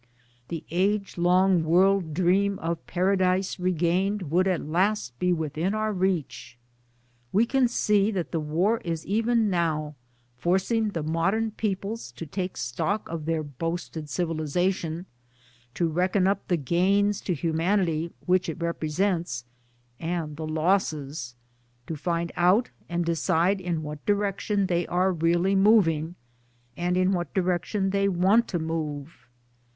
The age long world dream of Paradise Regained would at last be within our reach. We can see that the War is even now forcing: the modern peoples to take stock of their boasted Civilization, to reckon up the gains to Humanity which it represents and the losses ; to find out and decide in what direction they are really moving, and in what direction they want to move.